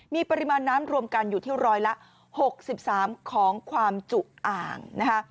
มีปริมาณน้ำรวมกันอยู่ที่ร้อยละ๖๓ของความจุอ่างนะคะ